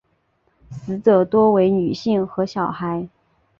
死者多为女性和小孩。